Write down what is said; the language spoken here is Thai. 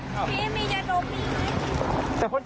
สุดง่ายด้วย